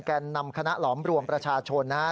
แก่นนำคณะหลอมรวมประชาชนนะฮะ